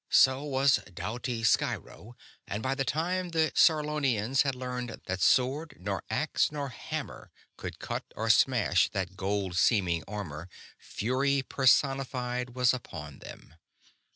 So was doughty Sciro; and by the time the Sarlonians had learned that sword nor axe nor hammer could cut or smash that gold seeming armor fury personified was upon them.